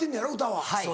はい。